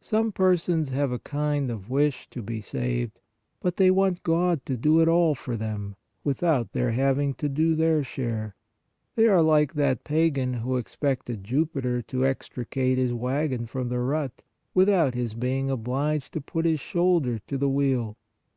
72 PRAYER Some persons have a kind of wish to be saved, but they want God to do it all for them, without their having to do their share; they are like that pagan who expected Jupiter to extricate his wagon from the rut, without his being obliged to put his shoulder to the wheel.